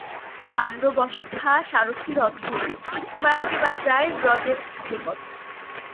পাণ্ডবসখা সারথি রথে, বাঁশী বাজায় ব্রজের ঘাটে পথে।